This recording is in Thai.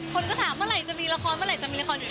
คนก็ถามเมื่อไหร่จะมีละครจะมีละคร